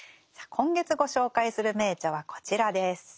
今月ご紹介する名著はこちらです。